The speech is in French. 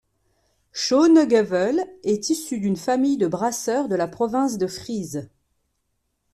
Schonegevel est issu d'une famille de brasseurs de la province de Frise.